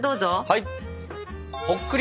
はい！